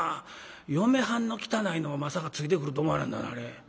嫁はんの汚いのもまさかついてくると思わなんだあれ。